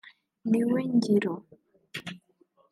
Ni we zingiro